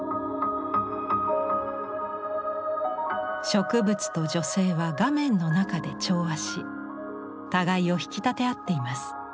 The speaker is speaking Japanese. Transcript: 植物と女性は画面の中で調和し互いを引き立て合っています。